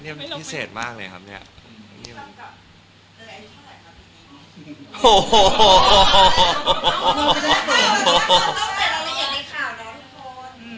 เจ้าต้องเติมละหลายอย่างในข่าวนะทุกคน